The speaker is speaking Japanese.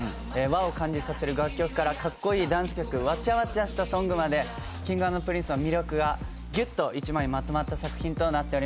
和を感じさせる楽曲からかっこいいダンス曲わちゃわちゃしたソングまでＫｉｎｇ＆Ｐｒｉｎｃｅの魅力がギュッと１枚にまとまった作品となっております。